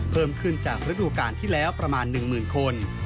เพิ่มขึ้นจากฤดูกาลที่แล้วประมาณ๑๐๐๐คน